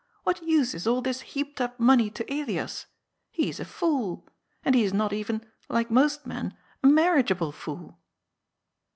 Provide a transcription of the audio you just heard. What use is all this heaped up money to Elias ? He is a fool. And he is not even — ^like most men — ^a marriageable fool."